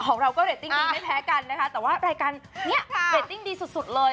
ของเราก็เรตติ้งดีไม่แพ้กันนะคะแต่ว่ารายการนี้เรตติ้งดีสุดสุดเลย